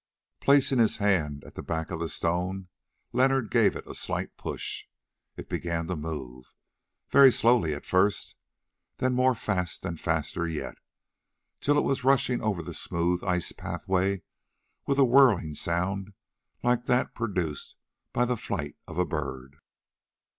Placing his hand at the back of the stone, Leonard gave it a slight push. It began to move, very slowly at first, then more fast and faster yet, till it was rushing over the smooth ice pathway with a whirring sound like that produced by the flight of a bird.